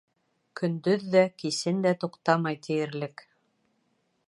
Көндөҙ ҙә, кисен дә туҡтамай, тиерлек.